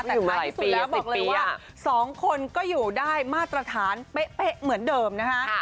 แต่ท้ายที่สุดแล้วบอกเลยว่า๒คนก็อยู่ได้มาตรฐานเป๊ะเหมือนเดิมนะคะ